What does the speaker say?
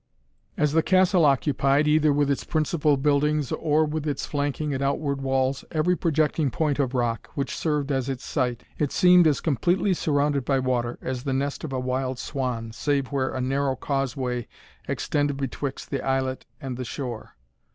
As the castle occupied, either with its principal buildings, or with its flanking and outward walls, every projecting point of rock, which served as its site, it seemed as completely surrounded by water as the nest of a wild swan, save where a narrow causeway extended betwixt the islet and the shore.